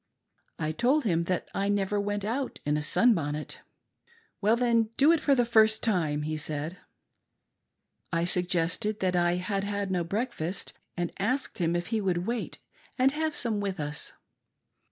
I told him that I never went out in a sunbonnet. " Well then, do it for the first time," he said. I suggested that I had had no breakfast, and asked him if he would wait and have some with us.